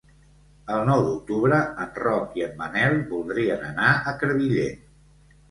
El nou d'octubre en Roc i en Manel voldrien anar a Crevillent.